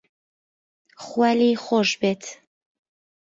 خوا لێی خۆش بێت